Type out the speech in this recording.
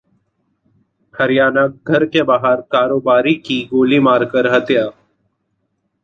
हरियाणाः घर के बाहर कारोबारी की गोली मारकर हत्या